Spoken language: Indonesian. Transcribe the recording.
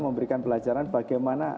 memberikan pelajaran bagaimana